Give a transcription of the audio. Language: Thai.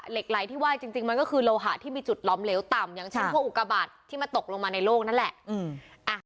เหล็กไหลที่ว่าจริงจริงมันก็คือโลหะที่มีจุดล้อมเหลวต่ำอย่างเช่นโทอุกาบาทที่มาตกลงมาในโลกนั่นแหละอืมอ่า